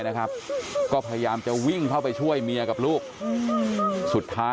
พยายามจะวิ่งเข้าไปช่วยเมียกับลูก